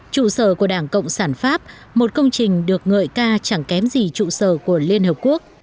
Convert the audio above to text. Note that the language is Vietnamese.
trụ sở của đảng cộng sản pháp một công trình được ngợi ca chẳng kém gì trụ sở của liên hợp quốc